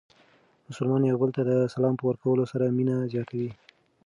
مسلمانان یو بل ته د سلام په ورکولو سره مینه زیاتوي.